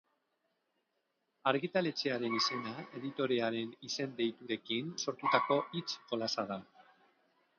Argitaletxearen izena editorearen izen-deiturekin sortutako hitz-jolasa da.